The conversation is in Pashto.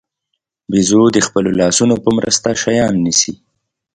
بیزو د خپلو لاسونو په مرسته شیان نیسي.